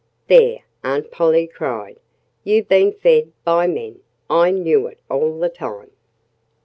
"There!" Aunt Polly cried. "You've been fed by men! I knew it all the time."